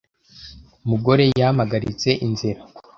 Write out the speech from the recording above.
mugore yampagaritse inzira.